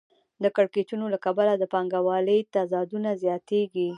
د کړکېچونو له کبله د پانګوالۍ تضادونه زیاتېږي